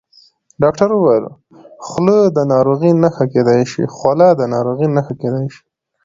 ډاکټر وویل خوله د ناروغۍ نښه کېدای شي.